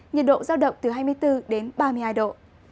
nhiệt độ giao động từ hai mươi bốn đến ba mươi hai độ